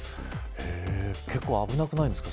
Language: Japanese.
へぇ結構危なくないんですか？